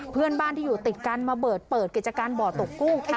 เพื่อนบ้านที่อยู่ติดกันมาเปิดเปิดกิจการบ่อตกกุ้งค่ะ